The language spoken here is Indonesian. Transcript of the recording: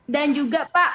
dan juga pak